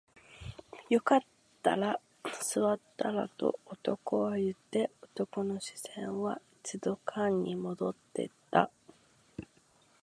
よかったら座ったらと男は言って、男の視線は一斗缶に戻っていた